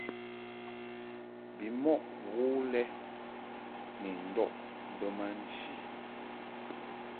Bimɔʼ mo wo lɛ ni ndɔʼ bə ma nchi.